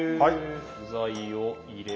具材を入れて。